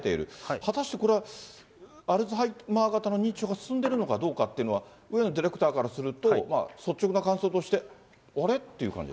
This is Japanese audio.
果たしてこれは、アルツハイマー型の認知症が進んでいるのかどうかっていうのは、上野ディレクターからすると、率直な感想として、あれ？って感じ